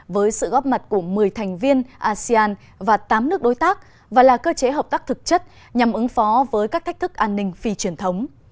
với sự góp mặt của một mươi thành viên asean và tám nước đối tác và là cơ chế hợp tác thực chất nhằm ứng phó với các thách thức an ninh phi truyền thống